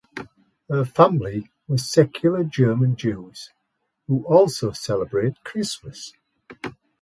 Her family were secular German Jews who also celebrated Christmas.